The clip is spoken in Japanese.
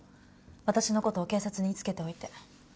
私の事を警察に言いつけておいて。